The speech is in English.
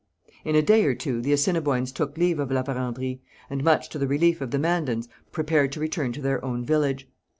In a day or two the Assiniboines took leave of La Vérendrye, and, much to the relief of the Mandans, prepared to return to their own village.